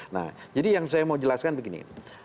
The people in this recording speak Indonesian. nah jadi yang saya mau jelaskan begini